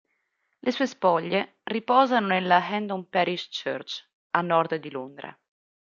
Le sue spoglie riposano nella Hendon Parish Church, a nord di Londra.